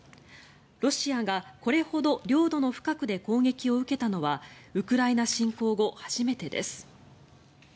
ロシアがこれほど領土の深くで攻撃を受けたのはウクライナ侵攻後初めてです。